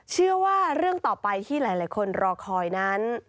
เชื่อว่าเรื่องต่อไปที่หลายคนรอคอยนั้น